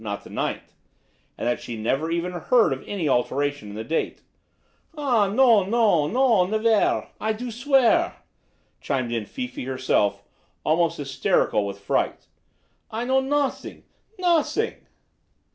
not the ninth, and that she never even heard of any alteration in the date." "Ah, non! non! non! nevaire! I do swear!" chimed in Fifi herself, almost hysterical with fright. "I know nossing nossing!"